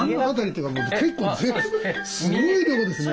結構すごい量ですね。